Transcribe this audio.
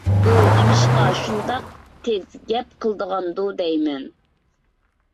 ئۇ نېمىشقا شۇنداق تېز گەپ قىلىدىغاندۇ دەيمەن؟